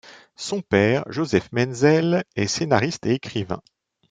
Son père, Jozef Menzel, est scénariste et écrivain.